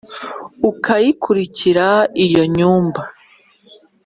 Ukayikurikira iyo nyumba